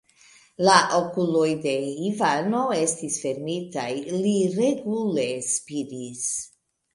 La okuloj de Ivano estis fermitaj, li regule spiris.